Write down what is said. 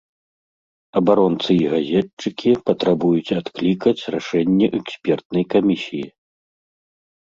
Абаронцы і газетчыкі патрабуюць адклікаць рашэнне экспертнай камісіі.